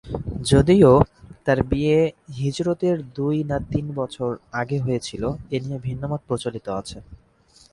যদিও, তার বিয়ে হিজরতের দুই না তিন বছর আগে হয়েছিল, এ নিয়ে ভিন্নমত প্রচলিত আছে।